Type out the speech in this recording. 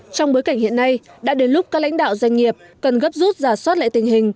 trong bối cảnh hiện nay đã đến lúc các lãnh đạo doanh nghiệp cần gấp rút giả soát lại tình hình